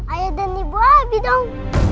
ayah dan ibu ati dong